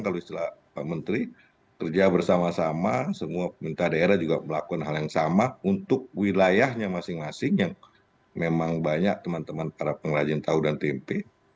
kalau istilah pak menteri kerja bersama sama semua pemerintah daerah juga melakukan hal yang sama untuk wilayahnya masing masing yang memang banyak teman teman para pengrajin tahu dan tempe